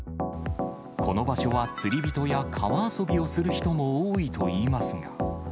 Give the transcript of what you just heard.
この場所は釣り人や川遊びをする人も多いといいますが。